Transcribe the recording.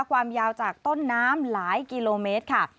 ความยาวจากต้นน้ำหลายกิโลเมตรค่ะ